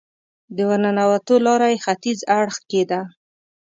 د ورننوتو لاره یې ختیځ اړخ کې ده.